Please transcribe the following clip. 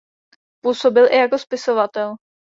Působil i jako spisovatel.